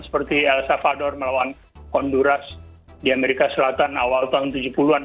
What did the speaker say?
seperti el salvador melawan conduras di amerika selatan awal tahun tujuh puluh an